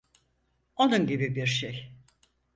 Onun gibi birşey.